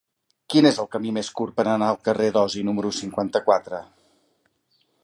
Quin és el camí més curt per anar al carrer d'Osi número cinquanta-quatre?